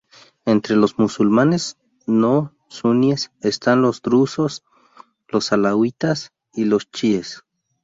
Entre los musulmanes no sunníes están los drusos, los alauitas y los chiíes.